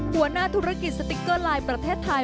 หัวหน้าธุรกิจสติ๊กเกอร์ไลน์ประเทศไทย